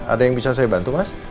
ada yang bisa saya bantu mas